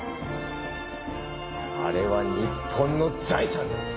あれは日本の財産だ。